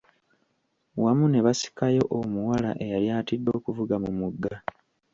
Wamu ne basikayo omuwala eyali atidde okuva mu mugga.